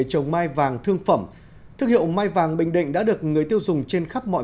trồng mai vàng thương phẩm thương hiệu mai vàng bình định đã được người tiêu dùng trên khắp mọi